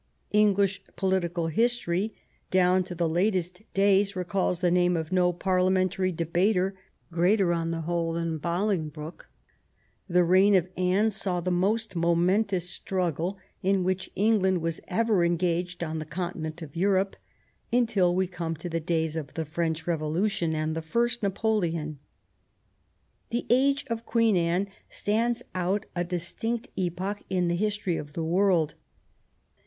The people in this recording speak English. English political history down to the latest days re calls the name of no parliamentary debater greater, on .2 THE WOMAN BORN TO BE QUEEN the whole, than Bolingbroke. The reign of Anne saw the most momentous struggle in which England was ever engaged on the continent of Europe until we come to the days of the French Kevolution and the First Napoleon. The age of Queen Anne stands out a distinct epoch in the history of the world.